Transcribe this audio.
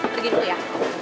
pergi dulu ya